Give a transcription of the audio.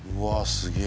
すげえ